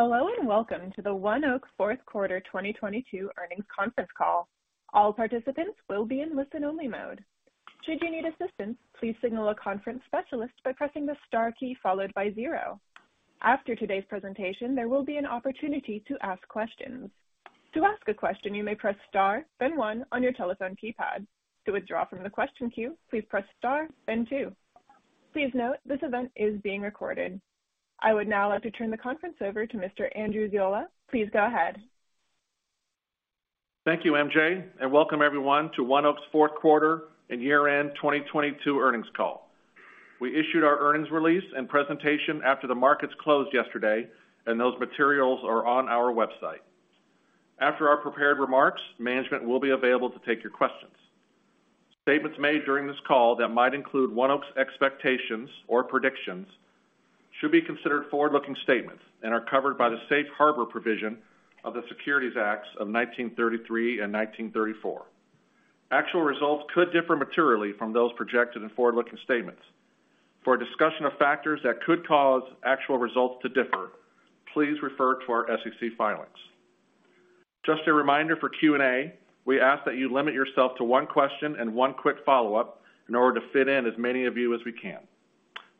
Hello, welcome to the ONEOK 4th quarter 2022 earnings conference call. All participants will be in listen-only mode. Should you need assistance, please signal a conference specialist by pressing the star key followed by 0. After today's presentation, there will be an opportunity to ask questions. To ask a question, you may press star, then 1 on your telephone keypad. To withdraw from the question queue, please press star, then 2. Please note, this event is being recorded. I would now like to turn the conference over to Mr. Andrew Ziola. Please go ahead. Thank you, MJ. Welcome everyone to ONEOK's 4th quarter and year-end 2022 earnings call. We issued our earnings release and presentation after the markets closed yesterday. Those materials are on our website. After our prepared remarks, management will be available to take your questions. Statements made during this call that might include ONEOK's expectations or predictions should be considered forward-looking statements and are covered by the Safe Harbor provision of the Securities Acts of 1933 and 1934. Actual results could differ materially from those projected in forward-looking statements. For a discussion of factors that could cause actual results to differ, please refer to our SEC filings. Just a reminder for Q&A, we ask that you limit yourself to 1 question and 1 quick follow-up in order to fit in as many of you as we can.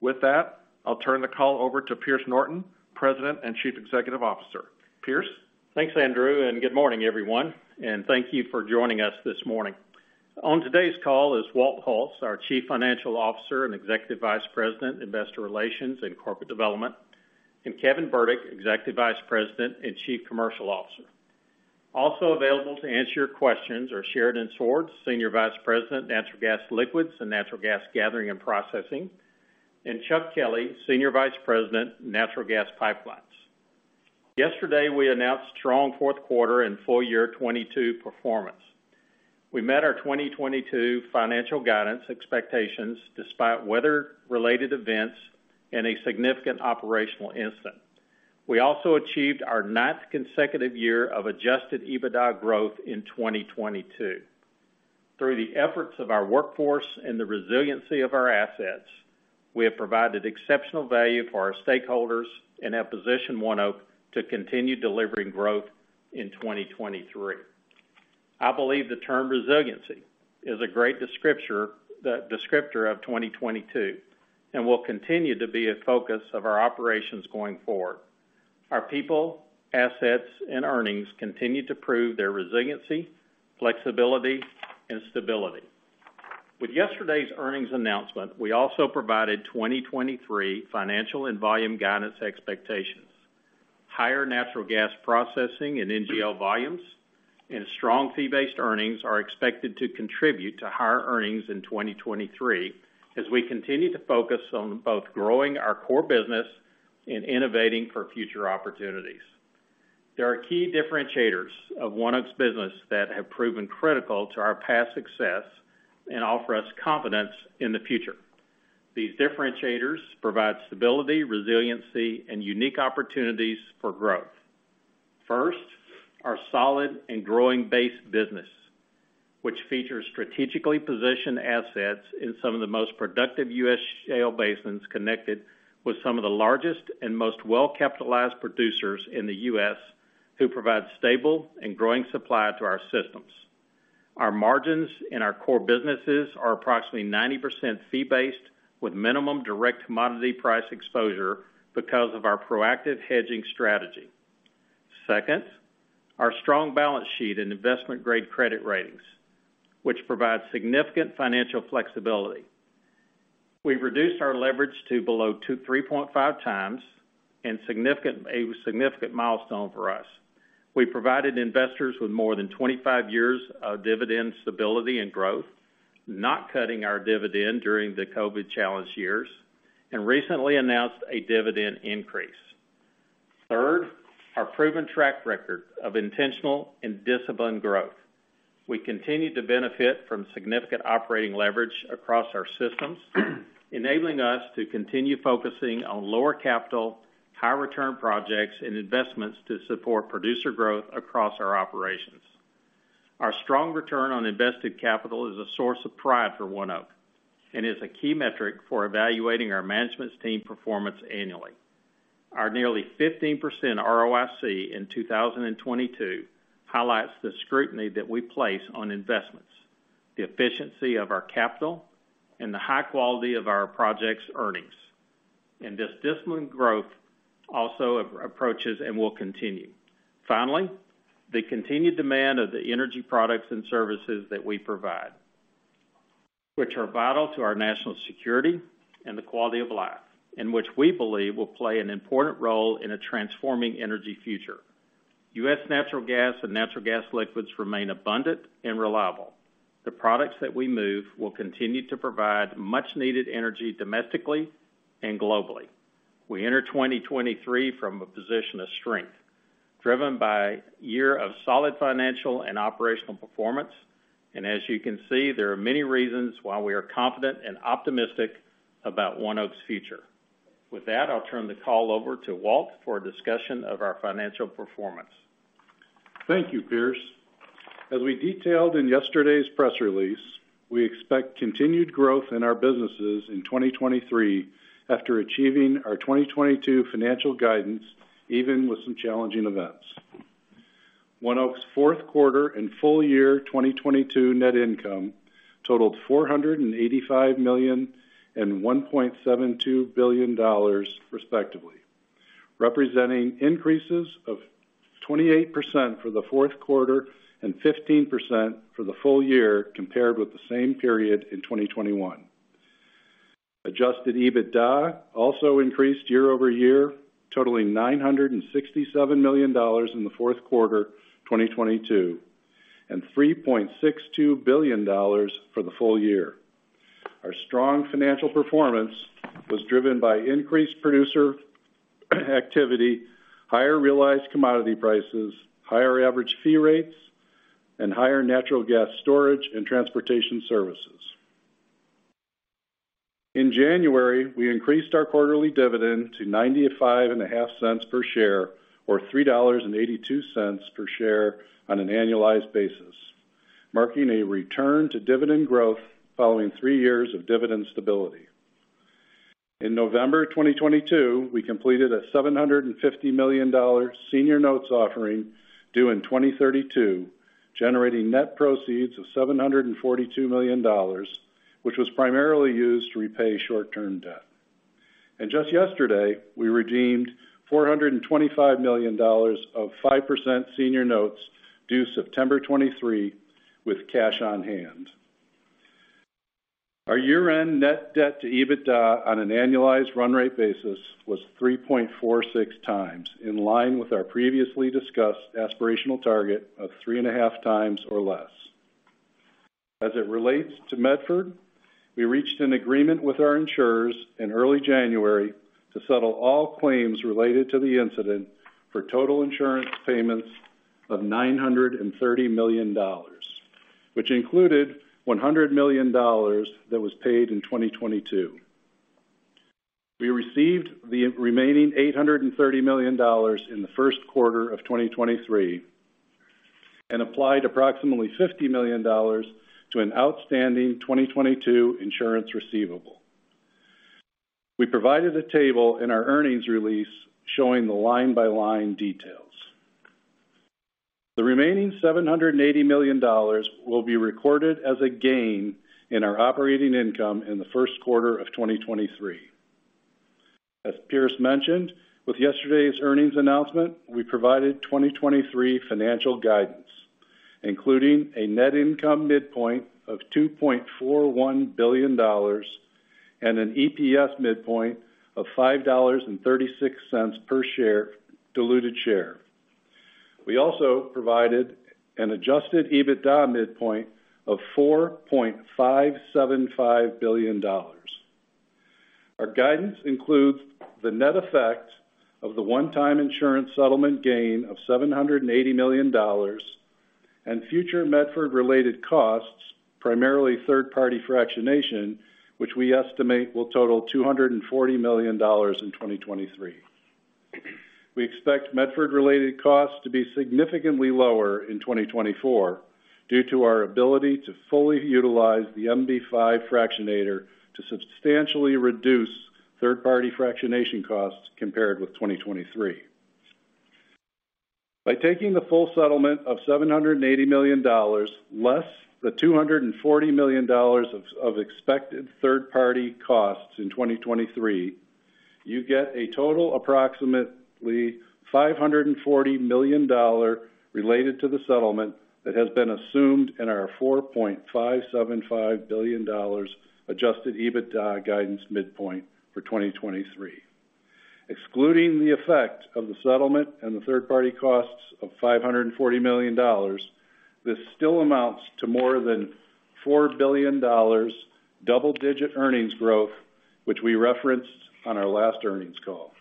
With that, I'll turn the call over to Pierce Norton, President and Chief Executive Officer. Pierce? Thanks, Andrew. Good morning, everyone, and thank you for joining us this morning. On today's call is Walt Hulse, our Chief Financial Officer and Executive Vice President, Investor Relations and Corporate Development, and Kevin Burdick, Executive Vice President and Chief Commercial Officer. Also available to answer your questions are Sheridan Swords, Senior Vice President, Natural Gas Liquids and Natural Gas Gathering and Processing, and Chuck Kelley, Senior Vice President, Natural Gas Pipelines. Yesterday, we announced strong 4th quarter and full year 2022 performance. We met our 2022 financial guidance expectations despite weather-related events and a significant operational incident. We also achieved our ninth consecutive year of adjusted EBITDA growth in 2022. Through the efforts of our workforce and the resiliency of our assets, we have provided exceptional value for our stakeholders and have positioned ONEOK to continue delivering growth in 2023. I believe the term resiliency is a great descriptor of 2022 and will continue to be a focus of our operations going forward. Our people, assets, and earnings continue to prove their resiliency, flexibility, and stability. With yesterday's earnings announcement, we also provided 2023 financial and volume guidance expectations. Higher natural gas processing and NGL volumes and strong fee-based earnings are expected to contribute to higher earnings in 2023 as we continue to focus on both growing our core business and innovating for future opportunities. There are key differentiators of ONEOK's business that have proven critical to our past success and offer us confidence in the future. These differentiators provide stability, resiliency, and unique opportunities for growth. First, our solid and growing base business, which features strategically positioned assets in some of the most productive U.S. shale basins connected with some of the largest and most well-capitalized producers in the U.S. who provide stable and growing supply to our systems. Our margins in our core businesses are approximately 90% fee-based with minimum direct commodity price exposure because of our proactive hedging strategy. Second, our strong balance sheet and investment-grade credit ratings, which provide significant financial flexibility. We've reduced our leverage to below 3.5 times, and a significant milestone for us. We provided investors with more than 25 years of dividend stability and growth, not cutting our dividend during the COVID challenged years, and recently announced a dividend increase. Third, our proven track record of intentional and disciplined growth. We continue to benefit from significant operating leverage across our systems, enabling us to continue focusing on lower capital, high return projects and investments to support producer growth across our operations. Our strong return on invested capital is a source of pride for ONEOK and is a key metric for evaluating our management's team performance annually. Our nearly 15% ROIC in 2022 highlights the scrutiny that we place on investments, the efficiency of our capital, and the high quality of our projects earnings. This disciplined growth also approaches and will continue. Finally, the continued demand of the energy products and services that we provide, which are vital to our national security and the quality of life, and which we believe will play an important role in a transforming energy future. U.S. natural gas and natural gas liquids remain abundant and reliable. The products that we move will continue to provide much needed energy domestically and globally. We enter 2023 from a position of strength, driven by a year of solid financial and operational performance. As you can see, there are many reasons why we are confident and optimistic about ONEOK's future. With that, I'll turn the call over to Walt for a discussion of our financial performance. Thank you, Pierce. As we detailed in yesterday's press release, we expect continued growth in our businesses in 2023 after achieving our 2022 financial guidance, even with some challenging events. ONEOK's 4th quarter and full year 2022 net income totaled $485 million and $1.72 billion respectively, representing increases of 28% for the 4th quarter and 15% for the full year compared with the same period in 2021. Adjusted EBITDA also increased year-over-year, totaling $967 million in the 4th quarter, 2022, and $3.62 billion for the full year. Our strong financial performance was driven by increased producer activity, higher realized commodity prices, higher average fee rates, and higher natural gas storage and transportation services. In January, we increased our quarterly dividend to $0.955 per share, or $3.82 per share on an annualized basis, marking a return to dividend growth following 3 years of dividend stability. In November 2022, we completed a $750 million senior notes offering due in 2032, generating net proceeds of $742 million, which was primarily used to repay short-term debt. Just yesterday, we redeemed $425 million of 5% senior notes due September 2023 with cash on hand. Our year-end net debt to EBITDA on an annualized run rate basis was 3.46 times, in line with our previously discussed aspirational target of 3.5 times or less. As it relates to Medford, we reached an agreement with our insurers in early January to settle all claims related to the incident for total insurance payments of $930 million, which included $100 million that was paid in 2022. We received the remaining $830 million in the Q1 of 2023 and applied approximately $50 million to an outstanding 2022 insurance receivable. We provided a table in our earnings release showing the line-by-line details. The remaining $780 million will be recorded as a gain in our operating income in the Q1 of 2023. As Pierce mentioned, with yesterday's earnings announcement, we provided 2023 financial guidance, including a net income midpoint of $2.41 billion and an EPS midpoint of $5.36 per share, diluted share. We also provided an adjusted EBITDA midpoint of $4.575 billion. Our guidance includes the net effect of the one-time insurance settlement gain of $780 million and future Medford-related costs, primarily third-party fractionation, which we estimate will total $240 million in 2023. We expect Medford-related costs to be significantly lower in 2024 due to our ability to fully utilize the MB5 fractionator to substantially reduce third-party fractionation costs compared with 2023. By taking the full settlement of $780 million, less the $240 million of expected third-party costs in 2023, you get a total approximately $540 million dollar related to the settlement that has been assumed in our $4.575 billion adjusted EBITDA guidance midpoint for 2023. Excluding the effect of the settlement and the third-party costs of $540 million, this still amounts to more than $4 billion double-digit earnings growth, which we referenced on our last earnings call.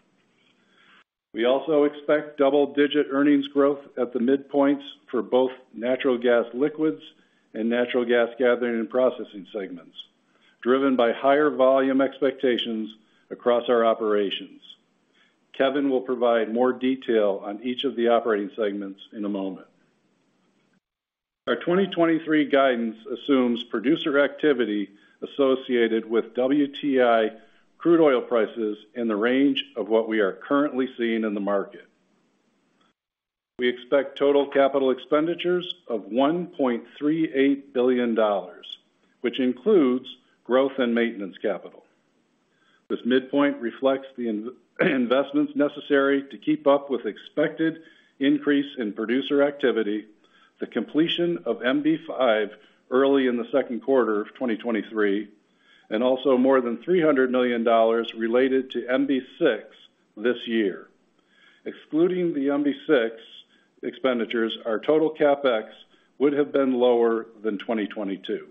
We also expect double-digit earnings growth at the midpoints for both natural gas liquids and natural gas gathering and processing segments, driven by higher volume expectations across our operations. Kevin will provide more detail on each of the operating segments in a moment. Our 2023 guidance assumes producer activity associated with WTI crude oil prices in the range of what we are currently seeing in the market. We expect total capital expenditures of $1.38 billion, which includes growth and maintenance capital. This midpoint reflects the investments necessary to keep up with expected increase in producer activity, the completion of MB5 early in the Q2 of 2023, and also more than $300 million related to MB6 this year. Excluding the MB6 expenditures, our total CapEx would have been lower than 2022.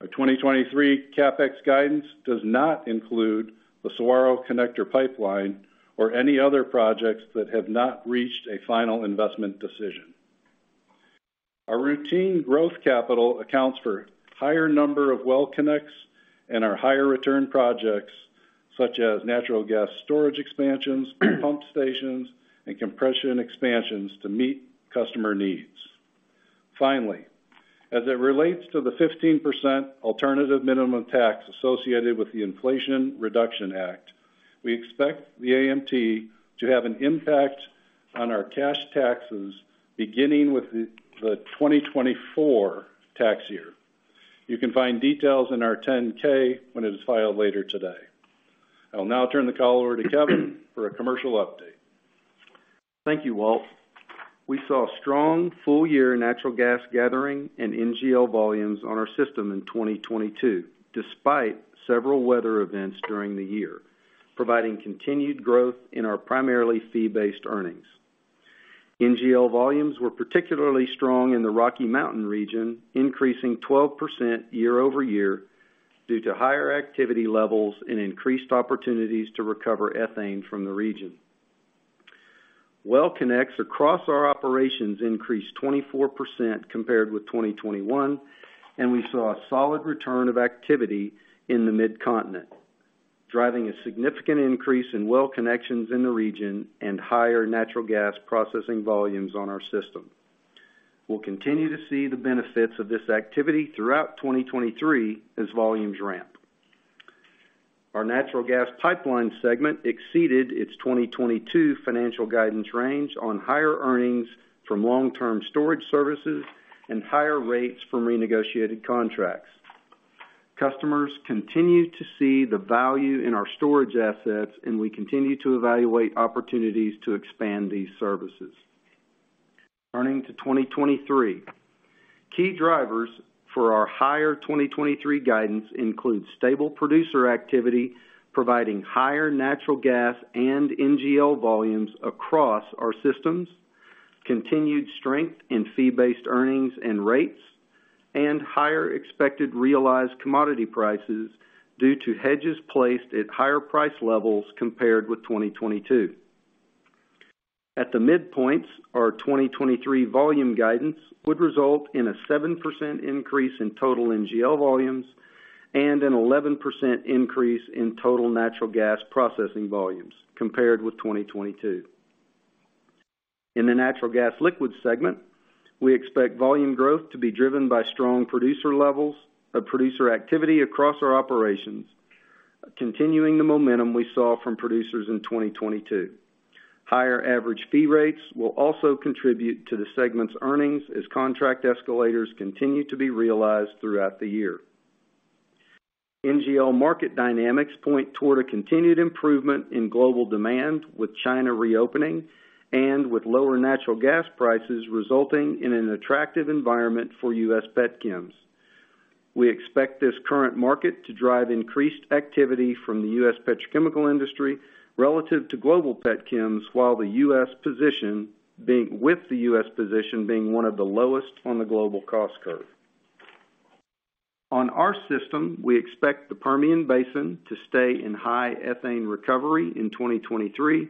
Our 2023 CapEx guidance does not include the Saguaro Connector Pipeline or any other projects that have not reached a final investment decision. Our routine growth capital accounts for higher number of well connects and our higher return projects, such as natural gas storage expansions, pump stations, and compression expansions to meet customer needs. Finally, as it relates to the 15% alternative minimum tax associated with the Inflation Reduction Act, we expect the AMT to have an impact on our cash taxes beginning with the 2024 tax year. You can find details in our 10-K when it is filed later today. I'll now turn the call over to Kevin for a commercial update. Thank you, Walt. We saw strong full year natural gas gathering and NGL volumes on our system in 2022, despite several weather events during the year, providing continued growth in our primarily fee-based earnings. NGL volumes were particularly strong in the Rocky Mountain region, increasing 12% year-over-year due to higher activity levels and increased opportunities to recover ethane from the region. Well connects across our operations increased 24% compared with 2021, and we saw a solid return of activity in the Mid-Continent, driving a significant increase in well connections in the region and higher natural gas processing volumes on our system. We'll continue to see the benefits of this activity throughout 2023 as volumes ramp. Our natural gas pipeline segment exceeded its 2022 financial guidance range on higher earnings from long-term storage services and higher rates from renegotiated contracts. Customers continue to see the value in our storage assets, and we continue to evaluate opportunities to expand these services. Turning to 2023. Key drivers for our higher 2023 guidance include stable producer activity, providing higher natural gas and NGL volumes across our systems, continued strength in fee-based earnings and rates, and higher expected realized commodity prices due to hedges placed at higher price levels compared with 2022. At the midpoints, our 2023 volume guidance would result in a 7% increase in total NGL volumes and an 11% increase in total natural gas processing volumes compared with 2022. In the natural gas liquids segment, we expect volume growth to be driven by strong producer levels of producer activity across our operations, continuing the momentum we saw from producers in 2022. Higher average fee rates will also contribute to the segment's earnings as contract escalators continue to be realized throughout the year. NGL market dynamics point toward a continued improvement in global demand with China reopening and with lower natural gas prices resulting in an attractive environment for U.S. petchems. We expect this current market to drive increased activity from the U.S. petrochemical industry relative to global petchems, with the U.S. position being one of the lowest on the global cost curve. On our system, we expect the Permian Basin to stay in high ethane recovery in 2023,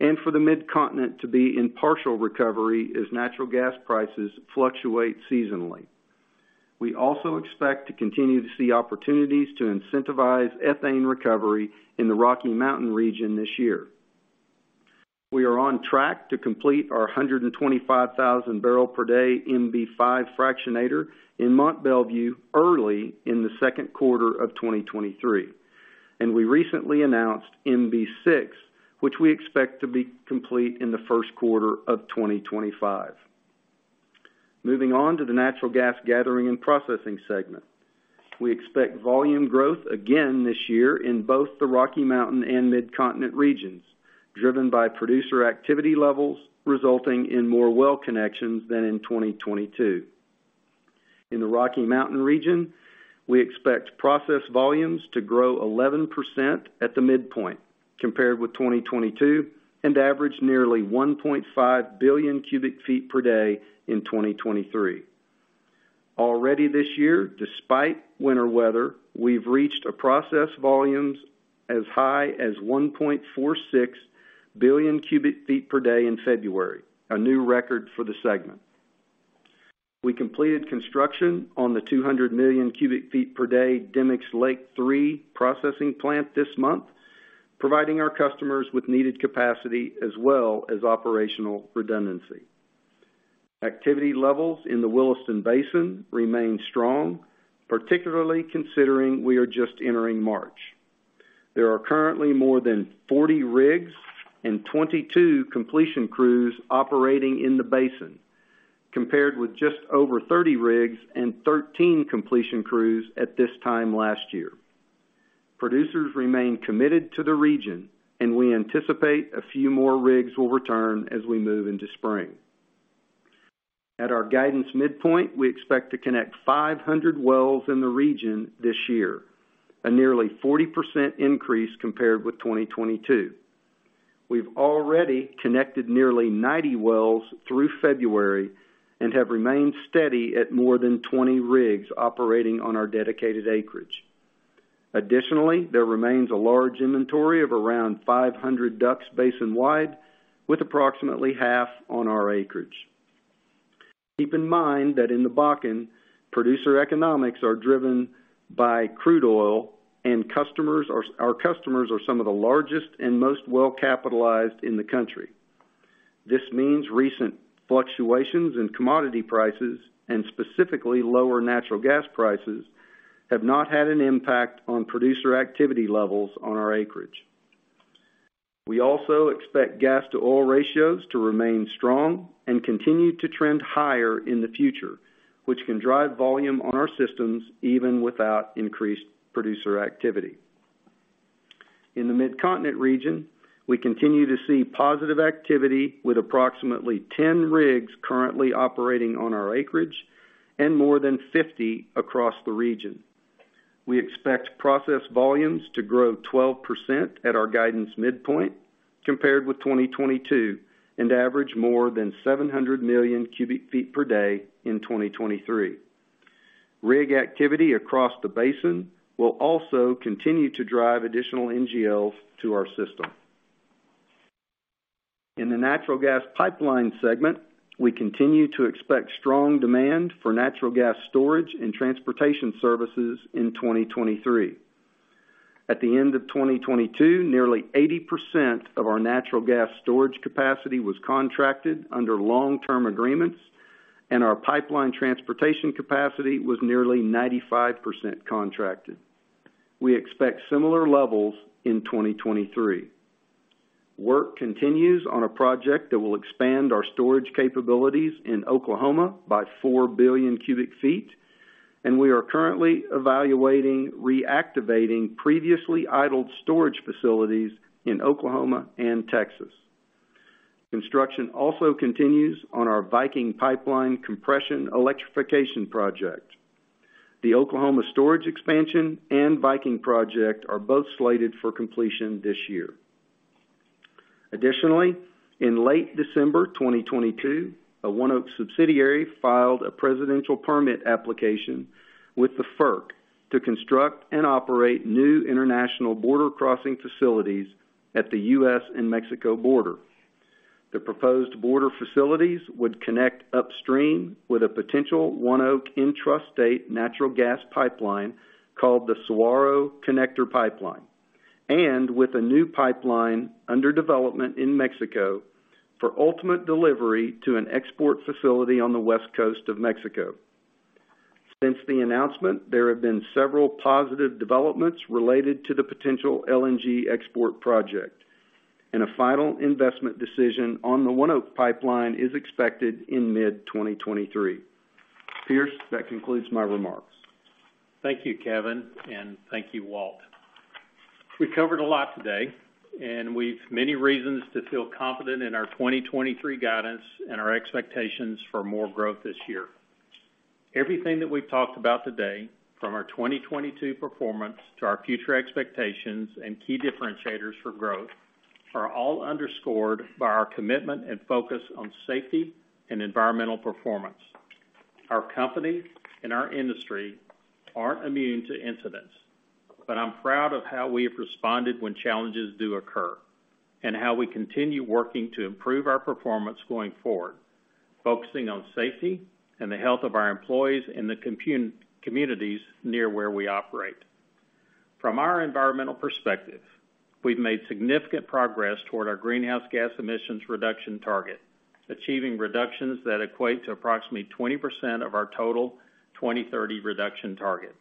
and for the Mid-Continent to be in partial recovery as natural gas prices fluctuate seasonally. We also expect to continue to see opportunities to incentivize ethane recovery in the Rocky Mountain region this year. We are on track to complete our 125,000 barrel per day MB5 fractionator in Mont Belvieu early in the Q2 of 2023. We recently announced MB6, which we expect to be complete in the Q1 of 2025. Moving on to the natural gas gathering and processing segment. We expect volume growth again this year in both the Rocky Mountain and Mid-Continent regions, driven by producer activity levels resulting in more well connections than in 2022. In the Rocky Mountain region, we expect process volumes to grow 11% at the midpoint compared with 2022 and average nearly 1.5 billion cubic feet per day in 2023. Already this year, despite winter weather, we've reached a process volumes as high as 1.46 billion cubic feet per day in February, a new record for the segment. We completed construction on the 200 million cubic feet per day Demicks Lake III processing plant this month, providing our customers with needed capacity as well as operational redundancy. Activity levels in the Williston Basin remain strong, particularly considering we are just entering March. There are currently more than 40 rigs and 22 completion crews operating in the basin, compared with just over 30 rigs and 13 completion crews at this time last year. Producers remain committed to the region, and we anticipate a few more rigs will return as we move into spring. At our guidance midpoint, we expect to connect 500 wells in the region this year, a nearly 40% increase compared with 2022. We've already connected nearly 90 wells through February and have remained steady at more than 20 rigs operating on our dedicated acreage. Additionally, there remains a large inventory of around 500 DUCs basin-wide, with approximately half on our acreage. Keep in mind that in the Bakken, producer economics are driven by crude oil and our customers are some of the largest and most well-capitalized in the country. This means recent fluctuations in commodity prices, and specifically lower natural gas prices, have not had an impact on producer activity levels on our acreage. We also expect gas-to-oil ratios to remain strong and continue to trend higher in the future, which can drive volume on our systems even without increased producer activity. In the Midcontinent region, we continue to see positive activity with approximately 10 rigs currently operating on our acreage and more than 50 across the region. We expect process volumes to grow 12% at our guidance midpoint compared with 2022, and average more than 700 million cubic feet per day in 2023. Rig activity across the basin will also continue to drive additional NGLs to our system. In the natural gas pipeline segment, we continue to expect strong demand for natural gas storage and transportation services in 2023. At the end of 2022, nearly 80% of our natural gas storage capacity was contracted under long-term agreements, and our pipeline transportation capacity was nearly 95% contracted. We expect similar levels in 2023. Work continues on a project that will expand our storage capabilities in Oklahoma by 4 billion cubic feet, and we are currently evaluating reactivating previously idled storage facilities in Oklahoma and Texas. Construction also continues on our Viking Pipeline compression electrification project. The Oklahoma storage expansion and Viking project are both slated for completion this year. Additionally, in late December 2022, a ONEOK subsidiary filed a presidential permit application with the FERC to construct and operate new international border crossing facilities at the U.S. and Mexico border. The proposed border facilities would connect upstream with a potential ONEOK intrastate natural gas pipeline called the Saguaro Connector Pipeline, and with a new pipeline under development in Mexico for ultimate delivery to an export facility on the west coast of Mexico. Since the announcement, there have been several positive developments related to the potential LNG export project, and a final investment decision on the ONEOK pipeline is expected in mid-2023. Pierce, that concludes my remarks. Thank you, Kevin. Thank you, Walt. We covered a lot today. We've many reasons to feel confident in our 2023 guidance and our expectations for more growth this year. Everything that we've talked about today, from our 2022 performance to our future expectations and key differentiators for growth, are all underscored by our commitment and focus on safety and environmental performance. Our company and our industry aren't immune to incidents. I'm proud of how we have responded when challenges do occur, how we continue working to improve our performance going forward, focusing on safety and the health of our employees in the communities near where we operate. From our environmental perspective, we've made significant progress toward our greenhouse gas emissions reduction target, achieving reductions that equate to approximately 20% of our total 2030 reduction target.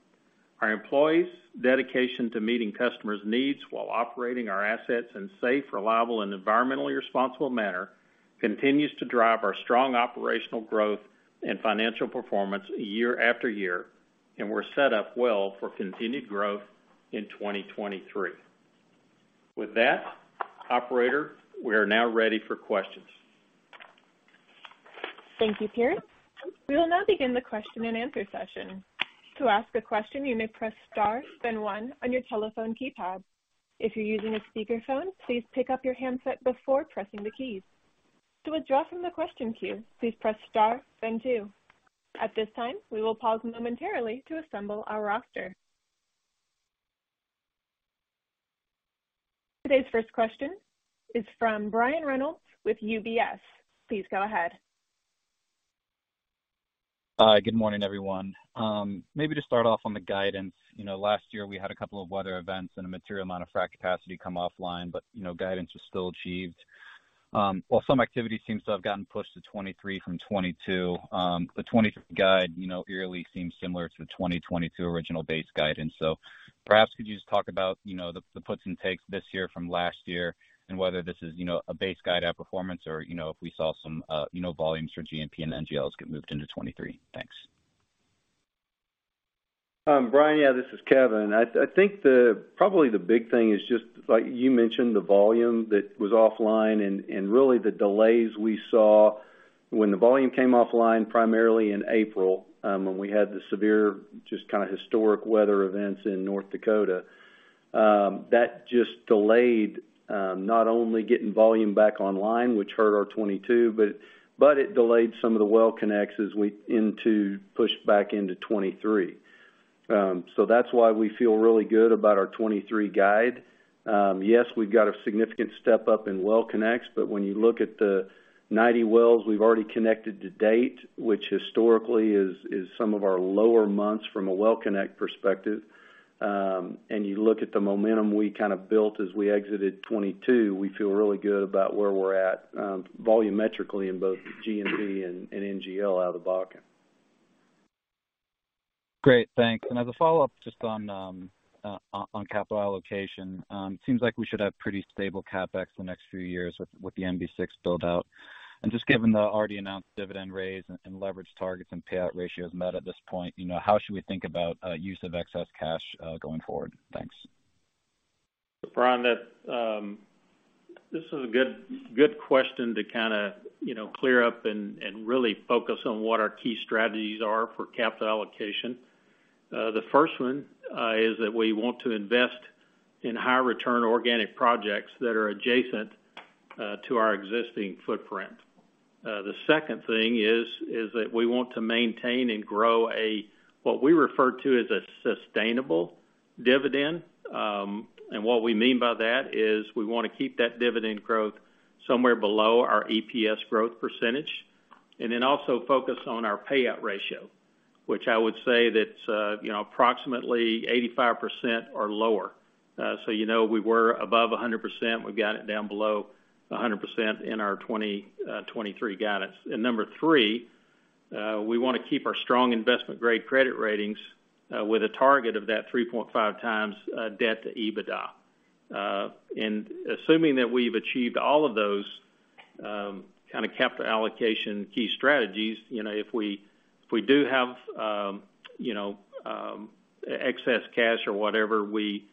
Our employees' dedication to meeting customers' needs while operating our assets in safe, reliable, and environmentally responsible manner continues to drive our strong operational growth and financial performance year after year. We're set up well for continued growth in 2023. With that, Operator, we are now ready for questions. Thank you, Pierce. We will now begin the question and answer session. To ask a question, you may press star, then 1 on your telephone keypad. If you're using a speakerphone, please pick up your handset before pressing the keys. To withdraw from the question queue, please press star, then 2. At this time, we will pause momentarily to assemble our roster. Today's first question is from Brian Reynolds with UBS. Please go ahead. Good morning, everyone. Maybe to start off on the guidance. You know, last year we had a couple of weather events and a material amount of frack capacity come offline, but, you know, guidance was still achieved. While some activity seems to have gotten pushed to 2023 from 2022, the 2023 guide, you know, yearly seems similar to the 2022 original base guidance. Perhaps could you just talk about, you know, the puts and takes this year from last year and whether this is, you know, a base guide outperformance or, you know, if we saw some, you know, volumes for GMP and NGLs get moved into 2023. Thanks. Brian. Yeah, this is Kevin. I think probably the big thing is just, like you mentioned, the volume that was offline and really the delays we saw when the volume came offline primarily in April, when we had the severe just kinda historic weather events in North Dakota. That just delayed not only getting volume back online, which hurt our 2022, but it delayed some of the well connects as we pushed back into 2023. That's why we feel really good about our 2023 guide. Yes, we've got a significant step up in well connects, but when you look at the 90 wells we've already connected to date, which historically is some of our lower months from a well connect perspective, and you look at the momentum we kind of built as we exited 2022, we feel really good about where we're at volumetrically in both G&G and NGL out of Bakken. Great, thanks. As a follow-up, just on capital allocation, seems like we should have pretty stable CapEx the next few years with the MB6 build-out. Just given the already announced dividend raise and leverage targets and payout ratios met at this point, you know, how should we think about use of excess cash going forward? Thanks. Brian, that, This is a good question to kind of, you know, clear up and really focus on what our key strategies are for capital allocation. The first one, is that we want to invest in high return organic projects that are adjacent, to our existing footprint. The second thing is that we want to maintain and grow a, what we refer to as a sustainable dividend. What we mean by that is we wanna keep that dividend growth somewhere below our EPS growth percentage, and then also focus on our payout ratio, which I would say that's, you know, approximately 85% or lower. You know, we were above 100%, we've got it down below 100% in our 2023 guidance. Number 3, we wanna keep our strong investment-grade credit ratings with a target of that 3.5 times debt to EBITDA. Assuming that we've achieved all of those, kind of capital allocation key strategies, you know, if we, if we do have, you know, excess cash or whatever, we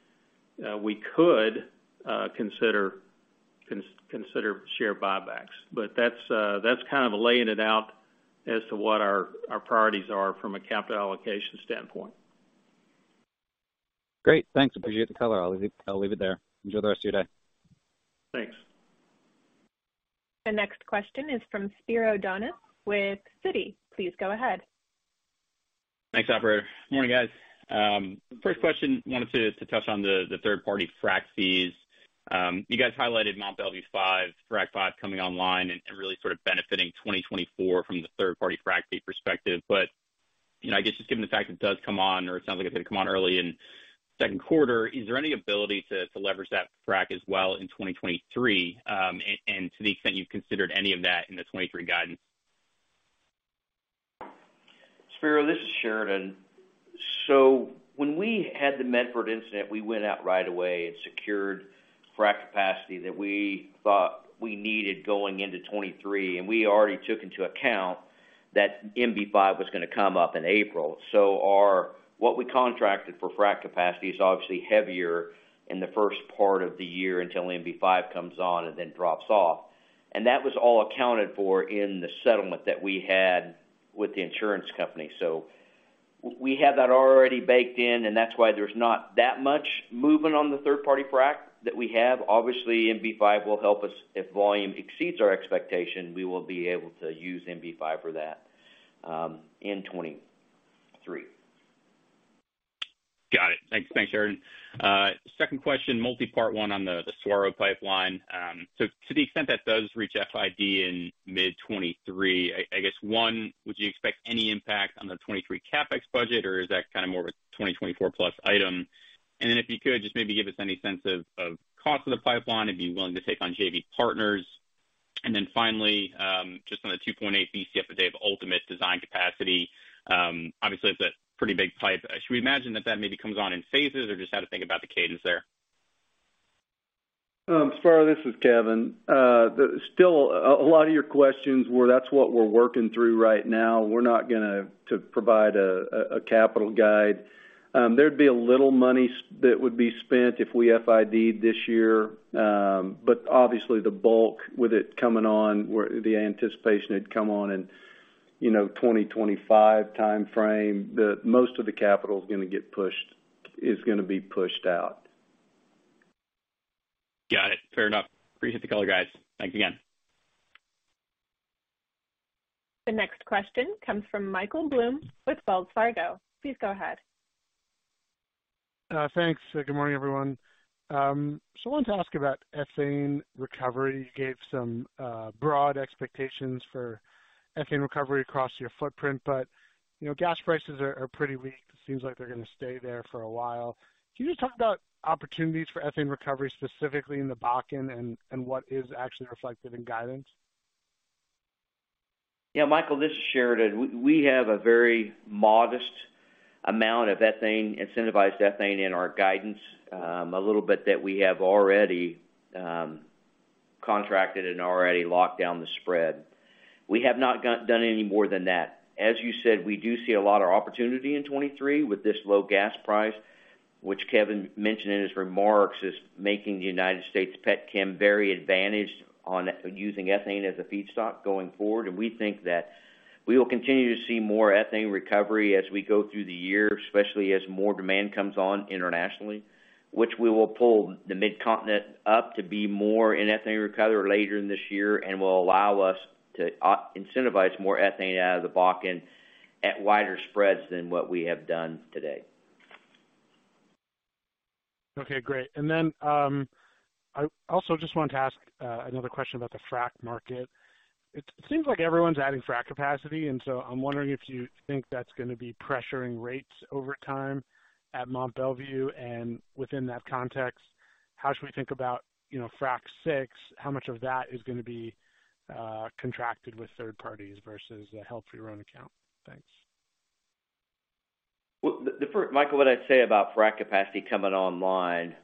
could consider share buybacks. That's kind of laying it out as to what our priorities are from a capital allocation standpoint. Great. Thanks. Appreciate the color. I'll leave it there. Enjoy the rest of your day. Thanks. The next question is from Spiro Dounis with Citi. Please go ahead. Thanks, operator. Morning, guys. First question, wanted to touch on the third-party frac fees. You guys highlighted Mont Belvieu 5, frac 5 coming online and really sort of benefiting 2024 from the third-party frac fee perspective. You know, I guess just given the fact it does come on or it sounds like it's going to come on early in Q2, is there any ability to leverage that frac as well in 2023? And to the extent you've considered any of that in the 2023 guidance. Spiro, this is Sheridan. When we had the Medford incident, we went out right away and secured frac capacity that we thought we needed going into 2023. We already took into account that MB5 was gonna come up in April. What we contracted for frac capacity is obviously heavier in the first part of the year until MB5 comes on and then drops off. That was all accounted for in the settlement that we had with the insurance company. We have that already baked in, and that's why there's not that much movement on the third party frac that we have. Obviously, MB5 will help us. If volume exceeds our expectation, we will be able to use MB5 for that in 2023. Got it. Thanks. Thanks, Sheridan. Second question, multipart, 1 on the NGL pipeline. To the extent that does reach FID in mid 2023, I guess, 1, would you expect any impact on the 2023 CapEx budget, or is that kind of more of a 2024 plus item? Then if you could, just maybe give us any sense of cost of the pipeline, if you're willing to take on JV partners. Then finally, just on the 2.8 Bcf a day of ultimate design capacity, obviously it's a pretty big pipe. Should we imagine that maybe comes on in phases, or just how to think about the cadence there? Spiro, this is Kevin. Still, a lot of your questions were, that's what we're working through right now. We're not gonna provide a capital guide. There'd be a little money that would be spent if we FID this year, but obviously the bulk with it coming on, where the anticipation had come on in, you know, 2025 timeframe, most of the capital is gonna be pushed out. Got it. Fair enough. Appreciate the color, guys. Thanks again. The next question comes from Michael Blum with Wells Fargo. Please go ahead. Thanks. Good morning, everyone. I wanted to ask about ethane recovery. You gave some broad expectations for ethane recovery across your footprint, you know, gas prices are pretty weak. It seems like they're gonna stay there for a while. Can you just talk about opportunities for ethane recovery, specifically in the Bakken and what is actually reflected in guidance? Yeah, Michael, this is Sheridan. We have a very modest amount of ethane, incentivized ethane in our guidance, a little bit that we have already contracted and already locked down the spread. We have not done any more than that. As you said, we do see a lot of opportunity in 2023 with this low gas price, which Kevin mentioned in his remarks, is making the United States petchem very advantaged on using ethane as a feedstock going forward. We think that we will continue to see more ethane recovery as we go through the year, especially as more demand comes on internationally, which we will pull the Midcontinent up to be more in ethane recovery later in this year and will allow us to incentivize more ethane out of the Bakken at wider spreads than what we have done today. Okay, great. Then, I also just wanted to ask another question about the frack market. It seems like everyone's adding frack capacity, and so I'm wondering if you think that's gonna be pressuring rates over time at Mont Belvieu. Within that context, how should we think about, you know, frack 6? How much of that is gonna be contracted with third parties versus held for your own account? Thanks. Well, Michael, what I'd say about frack capacity coming online.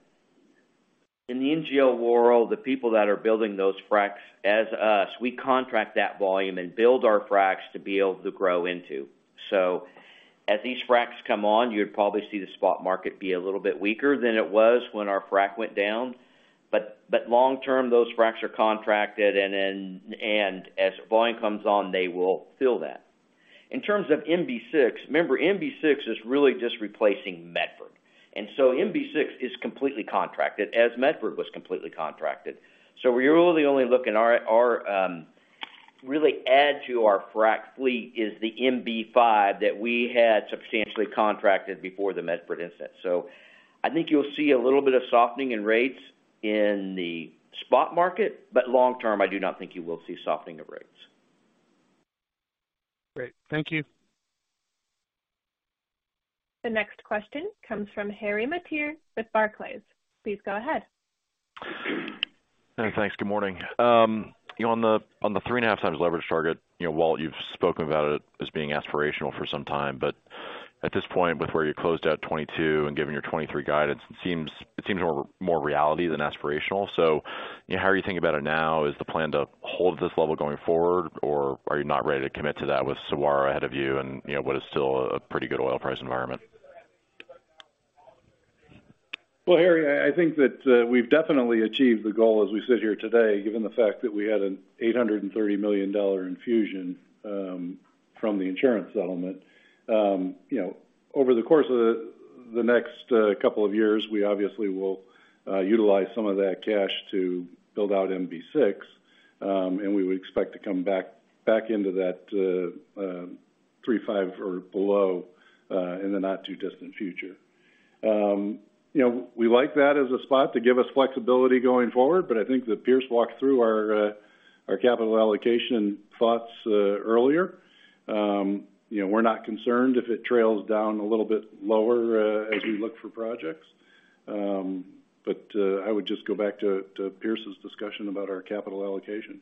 In the NGL world, the people that are building those fracks as us, we contract that volume and build our fracks to be able to grow into. As these fracks come on, you'd probably see the spot market be a little bit weaker than it was when our frack went down. Long term, those fracks are contracted, and as volume comes on, they will fill that. In terms of MB6, remember, MB6 is really just replacing Medford. MB6 is completely contracted, as Medford was completely contracted. We're really only looking our, really add to our frack fleet is the MB5 that we had substantially contracted before the Medford incident. I think you'll see a little bit of softening in rates in the spot market, but long term, I do not think you will see softening of rates. Great. Thank you. The next question comes from Harry Mateer with Barclays. Please go ahead. Thanks. Good morning. On the 3.5 times leverage target, you know, Walt, you've spoken about it as being aspirational for some time. At this point, with where you closed out 2022 and given your 2023 guidance, it seems more reality than aspirational. How are you thinking about it now? Is the plan to hold this level going forward, or are you not ready to commit to that with Saguaro ahead of you and, you know, what is still a pretty good oil price environment? Well, Harry, I think that we've definitely achieved the goal as we sit here today, given the fact that we had an $830 million infusion from the insurance settlement. You know, over the course of the next couple of years, we obviously will utilize some of that cash to build out MB6, and we would expect to come back into that 3.5 or below in the not too distant future. You know, we like that as a spot to give us flexibility going forward, but I think that Pierce walked through our capital allocation thoughts earlier. You know, we're not concerned if it trails down a little bit lower as we look for projects. I would just go back to Pierce's discussion about our capital allocation.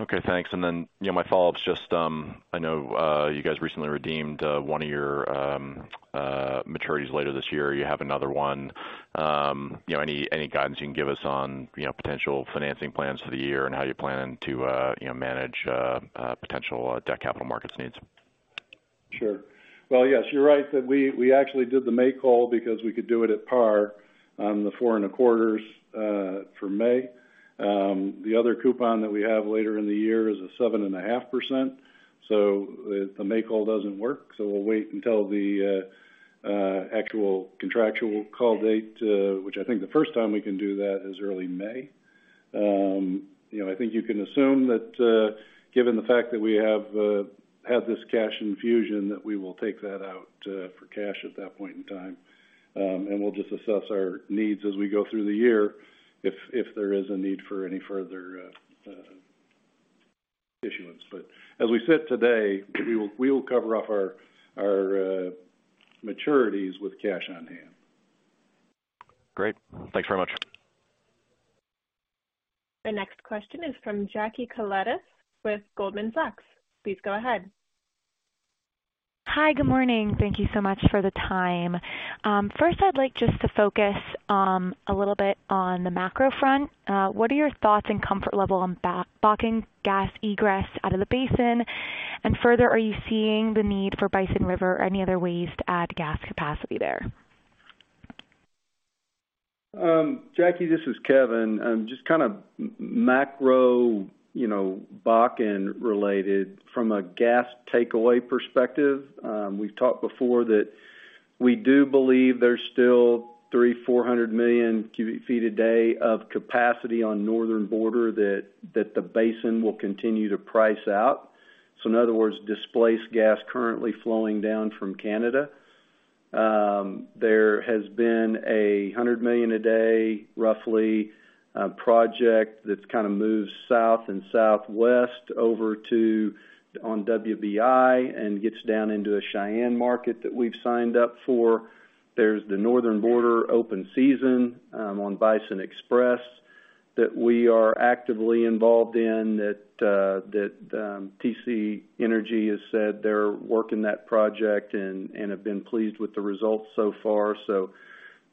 Okay, thanks. Then, you know, my follow-up is just, I know, you guys recently redeemed one of your maturities later this year. You have another one. You know, any guidance you can give us on, you know, potential financing plans for the year and how you plan to, you know, manage potential debt capital markets needs? Sure. Well, yes, you're right that we actually did the May call because we could do it at par on the 4 and a quarters for May. The other coupon that we have later in the year is a 7.5%. If the May call doesn't work, we'll wait until the actual contractual call date, which I think the first time we can do that is early May. You know, I think you can assume that, given the fact that we have this cash infusion, that we will take that out for cash at that point in time. We'll just assess our needs as we go through the year if there is a need for any further issuance. As we sit today, we will cover off our maturities with cash on hand. Great. Thanks very much. The next question is from Jackie Koletas with Goldman Sachs. Please go ahead. Jackie, this is Kevin Burdick. Just kind of macro, you know, Bakken-related from a gas takeaway perspective. We've talked before that we do believe there's still 300 million-400 million cubic feet a day of capacity on Northern Border Pipeline that the basin will continue to price out. In other words, displace gas currently flowing down from Canada. There has been 100 million a day, roughly, project that's kind of moved south and southwest over to on WBI Energy and gets down into a Cheyenne market that we've signed up for. There's the Northern Border Pipeline open season on Bison Express Pipeline that we are actively involved in that TC Energy has said they're working that project and have been pleased with the results so far.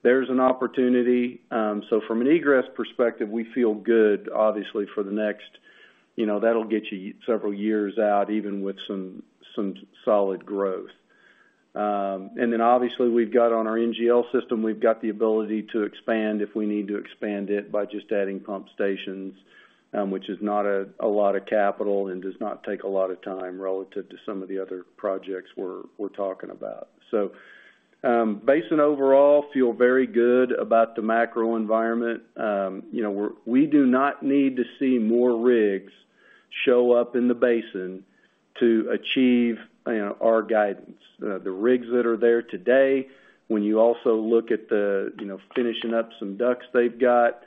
There's an opportunity. From an egress perspective, we feel good, obviously, for the next You know, that'll get you several years out, even with some solid growth. Then obviously we've got on our NGL system, we've got the ability to expand if we need to expand it by just adding pump stations, which is not a lot of capital and does not take a lot of time relative to some of the other projects we're talking about. Basin overall, feel very good about the macro environment. You know, we do not need to see more rigs show up in the basin to achieve, you know, our guidance. The rigs that are there today, when you also look at the, you know, finishing up some DUCs they've got,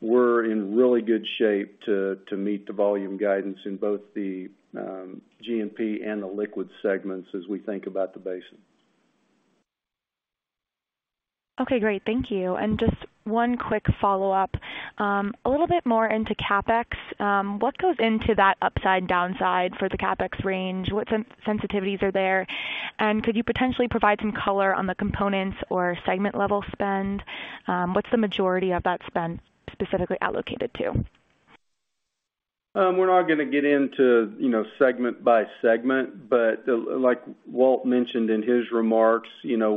we're in really good shape to meet the volume guidance in both the GNP and the liquid segments as we think about the basin. Okay, great. Thank you. Just one quick follow-up. A little bit more into CapEx. What goes into that upside, downside for the CapEx range? What sensitivities are there? Could you potentially provide some color on the components or segment-level spend? What's the majority of that spend specifically allocated to? We're not gonna get into, you know, segment by segment, but like Walt mentioned in his remarks, you know,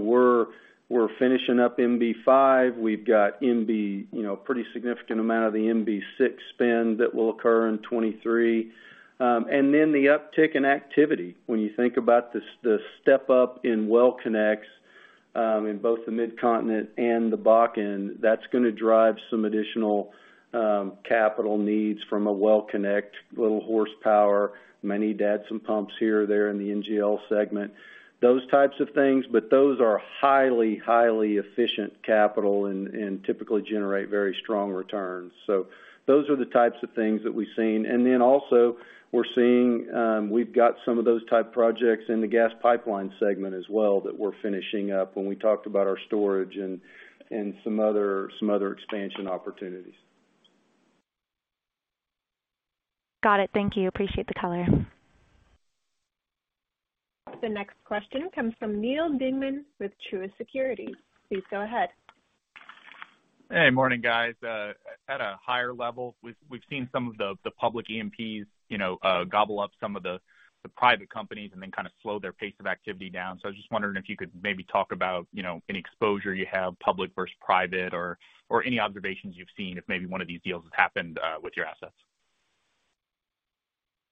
we're finishing up MB5. We've got, you know, a pretty significant amount of the MB6 spend that will occur in 2023. The uptick in activity. When you think about this, the step-up in well connects in both the Mid-Continent and the Bakken, that's gonna drive some additional capital needs from a well connect, little horsepower, may need to add some pumps here or there in the NGL segment, those types of things. Those are highly efficient capital and typically generate very strong returns. Those are the types of things that we've seen. Also we're seeing, we've got some of those type projects in the gas pipeline segment as well that we're finishing up when we talked about our storage and some other expansion opportunities. Got it. Thank you. Appreciate the color. The next question comes from Neal Dingmann with Truist Securities. Please go ahead. Hey, morning, guys. At a higher level, we've seen some of the public E&Ps, you know, gobble up some of the private companies and then kind of slow their pace of activity down. I was just wondering if you could maybe talk about, you know, any exposure you have, public versus private or any observations you've seen if maybe one of these deals has happened with your assets.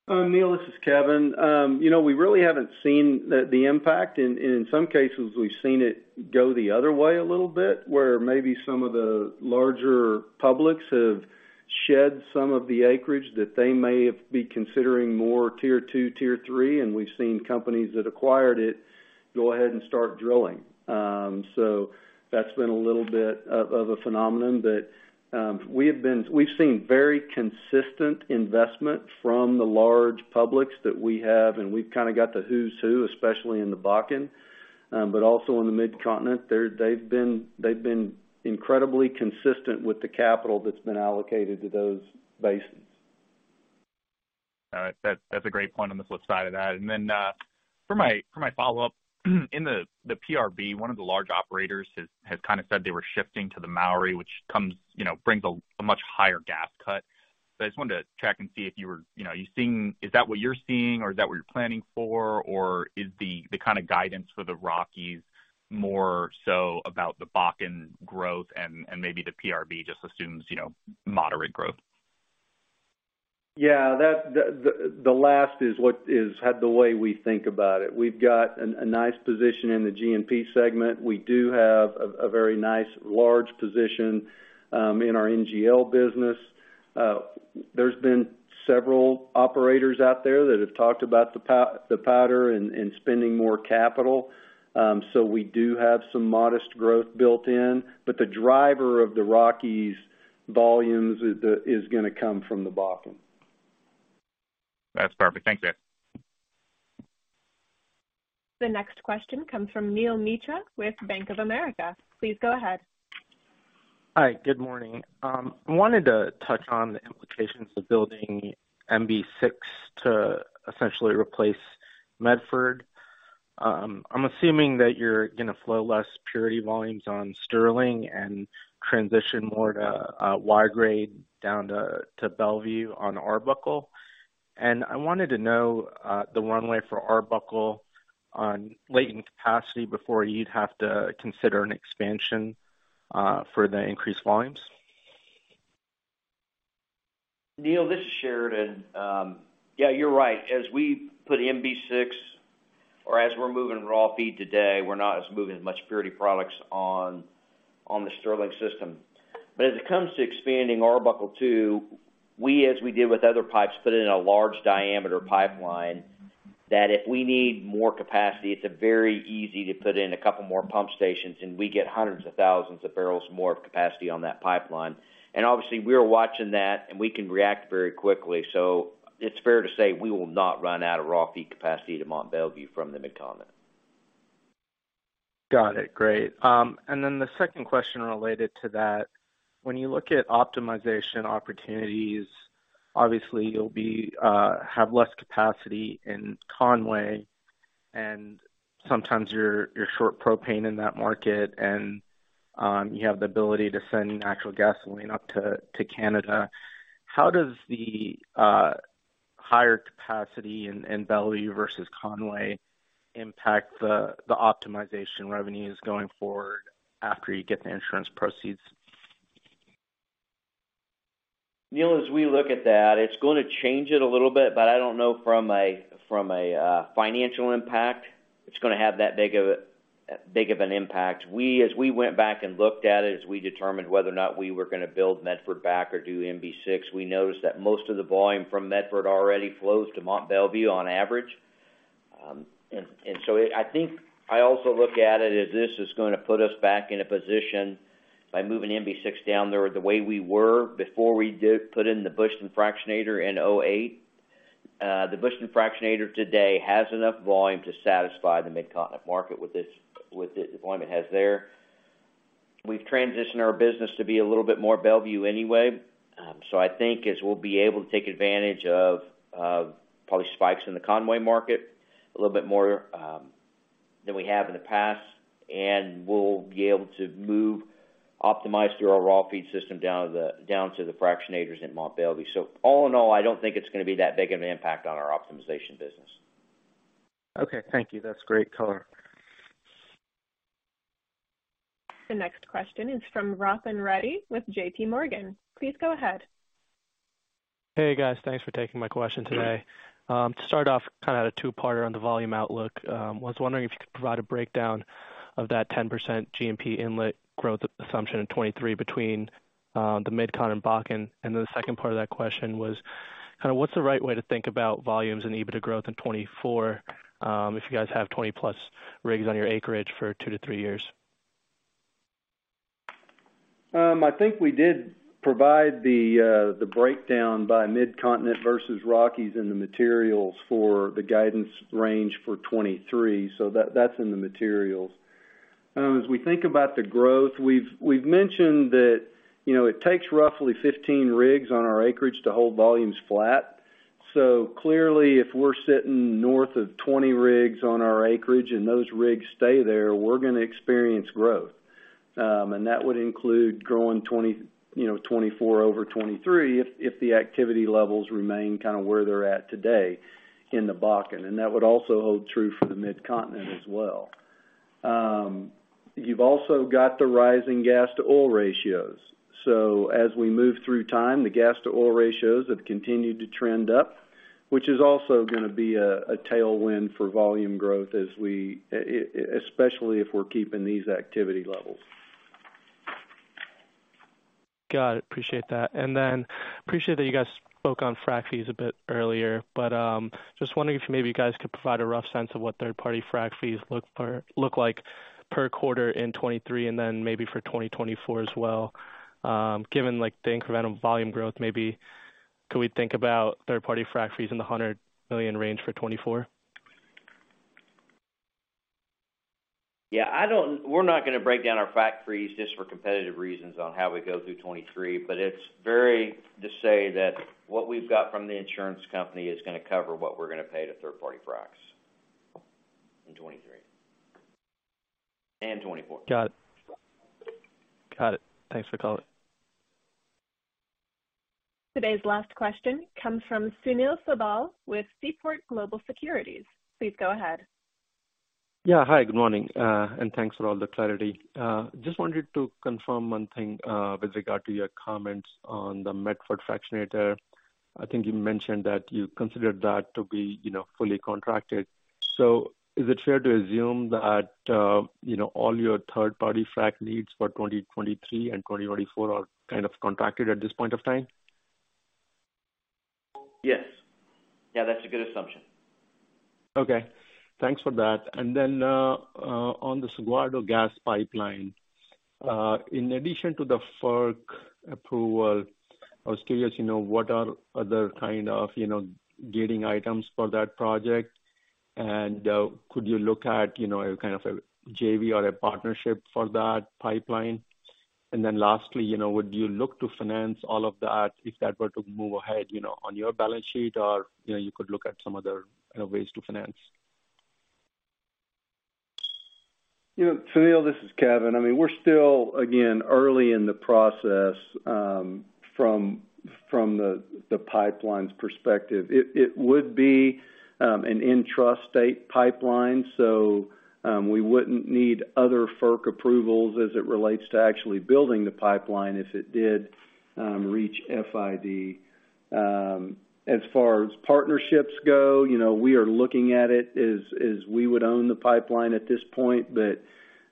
Neal, this is Kevin. you know, we really haven't seen the impact. In some cases, we've seen it go the other way a little bit, where maybe some of the larger publics have shed some of the acreage that they may have been considering more tier 2, tier 3, and we've seen companies that acquired it go ahead and start drilling. That's been a little bit of a phenomenon. We've seen very consistent investment from the large publics that we have, and we've kind of got the who's who, especially in the Bakken, but also in the Mid-Continent. They've been incredibly consistent with the capital that's been allocated to those basins. All right. That's a great point on the flip side of that. For my follow-up, in the PRB, one of the large operators has kind of said they were shifting to the Mowry, which comes, you know, brings a much higher gas cut. I just wanted to check and see if you were, you know, is that what you're seeing, or is that what you're planning for? Is the kind of guidance for the Rockies more so about the Bakken growth and maybe the PRB just assumes, you know, moderate growth? Yeah, that the last is what had the way we think about it. We've got a nice position in the GNP segment. We do have a very nice large position, in our NGL business. There's been several operators out there that have talked about the powder and spending more capital. We do have some modest growth built in. The driver of the Rockies volumes is gonna come from the Bakken. That's perfect. Thank you. The next question comes from Julien Dumoulin-Smith with Bank of America. Please go ahead. Hi, good morning. I wanted to touch on the implications of building MB6 to essentially replace Medford. I'm assuming that you're gonna flow less purity volumes on Sterling and transition more to Y-grade down to Bellevue on Arbuckle. I wanted to know the runway for Arbuckle on latent capacity before you'd have to consider an expansion for the increased volumes. Neal, this is Sheridan. Yeah, you're right. As we put MB6 or as we're moving raw feed today, we're not moving as much purity products on the Sterling pipeline. As it comes to expanding Arbuckle II, we, as we did with other pipes, put in a large diameter pipeline that if we need more capacity, it's a very easy to put in a couple more pump stations, and we get hundreds of thousands of barrels more of capacity on that pipeline. Obviously, we're watching that, and we can react very quickly. It's fair to say we will not run out of raw feed capacity to Mont Belvieu from the Midcontinent. Got it. Great. The second question related to that. When you look at optimization opportunities, obviously you'll have less capacity in Conway. And sometimes you're short propane in that market, and you have the ability to send natural gasoline up to Canada. How does the higher capacity in Bellevue versus Conway impact the optimization revenues going forward after you get the insurance proceeds? Neal, as we look at that, it's gonna change it a little bit, but I don't know from a, from a financial impact it's gonna have that big of an impact. As we went back and looked at it, as we determined whether or not we were gonna build Medford back or do MB6, we noticed that most of the volume from Medford already flows to Mont Belvieu on average. I think I also look at it as this is gonna put us back in a position by moving MB6 down there the way we were before we did put in the Bushton fractionator in 2008. The Bushton fractionator today has enough volume to satisfy the Mid-Continent market with the volume it has there. We've transitioned our business to be a little bit more Belvieu anyway. I think as we'll be able to take advantage of probably spikes in the Conway market a little bit more than we have in the past, and we'll be able to move, optimize through our raw feed system down to the fractionators in Mont Belvieu. All in all, I don't think it's gonna be that big of an impact on our optimization business. Okay. Thank you. That's great color. The next question is from Jeremy Tonet with J.P. Morgan. Please go ahead. Hey, guys. Thanks for taking my question today. Sure. To start off kind of a 2-parter on the volume outlook. Was wondering if you could provide a breakdown of that 10% GMP inlet growth assumption in 2023 between the Mid-Con and Bakken. The second part of that question was kind of what's the right way to think about volumes and EBITDA growth in 2024 if you guys have 20-plus rigs on your acreage for 2 to 3 years? I think we did provide the breakdown by Mid-Continent versus Rockies in the materials for the guidance range for 2023. That's in the materials. As we think about the growth, we've mentioned that, you know, it takes roughly 15 rigs on our acreage to hold volumes flat. Clearly, if we're sitting north of 20 rigs on our acreage and those rigs stay there, we're gonna experience growth. That would include growing 20, you know, 2024 over 2023 if the activity levels remain kind of where they're at today in the Bakken. That would also hold true for the Mid-Continent as well. You've also got the rising gas-oil ratios. As we move through time, the gas to oil ratios have continued to trend up, which is also gonna be a tailwind for volume growth as we especially if we're keeping these activity levels. Got it. Appreciate that. Appreciate that you guys spoke on frack fees a bit earlier. Just wondering if maybe you guys could provide a rough sense of what third-party frack fees look like per quarter in 2023 and then maybe for 2024 as well. Given like the incremental volume growth, maybe could we think about third-party frack fees in the $100 million range for 2024? Yeah. We're not gonna break down our frack fees just for competitive reasons on how we go through 2023, but it's very to say that what we've got from the insurance company is gonna cover what we're gonna pay to third party fracks in 2023 and 2024. Got it. Got it. Thanks for the color. Today's last question comes from Sunil Sibal with Seaport Global Securities. Please go ahead. Yeah. Hi, good morning. Thanks for all the clarity. Just wanted to confirm one thing, with regard to your comments on the Medford fractionator. I think you mentioned that you considered that to be, you know, fully contracted. Is it fair to assume that, you know, all your third party frack needs for 2023 and 2024 are kind of contracted at this point of time? Yes. Yeah, that's a good assumption. Okay. Thanks for that. On the Saguaro Gas Pipeline, in addition to the FERC approval, I was curious, you know, what are other kind of, you know, gating items for that project? Could you look at, you know, a kind of a JV or a partnership for that pipeline? Lastly, you know, would you look to finance all of that if that were to move ahead, you know, on your balance sheet? Or, you know, you could look at some other, you know, ways to finance. You know, Sunil, this is Kevin. I mean, we're still, again, early in the process, from the pipeline's perspective. It would be an intrastate pipeline, so, we wouldn't need other FERC approvals as it relates to actually building the pipeline if it did reach FID. As far as partnerships go, you know, we are looking at it as we would own the pipeline at this point.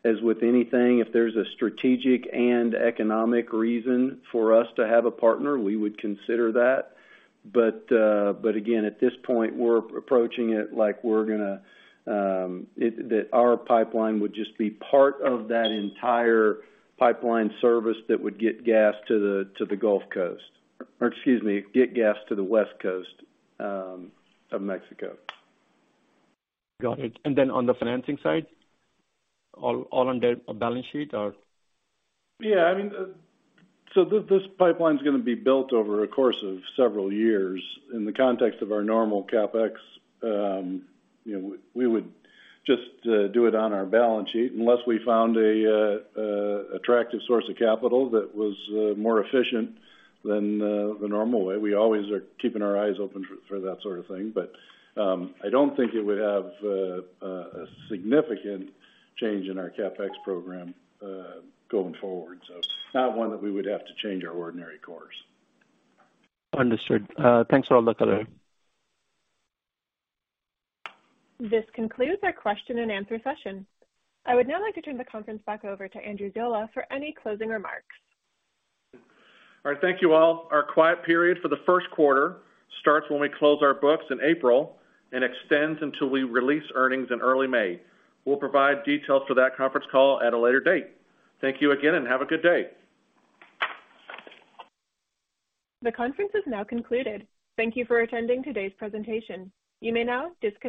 As with anything, if there's a strategic and economic reason for us to have a partner, we would consider that. Again, at this point, we're approaching it like we're gonna, that our pipeline would just be part of that entire pipeline service that would get gas to the Gulf Coast. Excuse me, get gas to the West Coast, of Mexico. Got it. Then on the financing side, all on the balance sheet or? Yeah. I mean, this pipeline is going to be built over a course of several years. In the context of our normal CapEx, you know, we would just do it on our balance sheet unless we found a attractive source of capital that was more efficient than the normal way. We always are keeping our eyes open for that sort of thing. I don't think it would have a significant change in our CapEx program going forward. It's not one that we would have to change our ordinary course. Understood. Thanks for all the color. This concludes our question and answer session. I would now like to turn the conference back over to Andrew Ziola for any closing remarks. All right. Thank you, all. Our quiet period for the Q1 starts when we close our books in April and extends until we release earnings in early May. We'll provide details for that conference call at a later date. Thank you again, and have a good day. The conference is now concluded. Thank you for attending today's presentation. You may now disconnect.